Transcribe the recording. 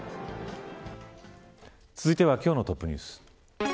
続いては今日のトップニュース。